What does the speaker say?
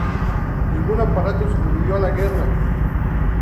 Ningún aparato sobrevivió a la guerra.